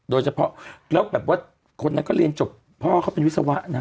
โดยเฉพาะแล้วแบบว่าคนนั้นก็เรียนจบพ่อเขาเป็นวิศวะนะ